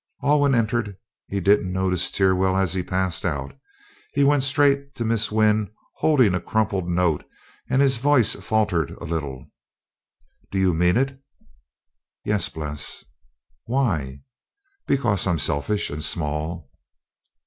Alwyn entered. He didn't notice Teerswell as he passed out. He went straight to Miss Wynn holding a crumpled note, and his voice faltered a little. "Do you mean it?" "Yes, Bles." "Why?" "Because I am selfish and small."